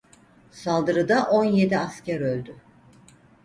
Saldırıda on yedi asker öldü.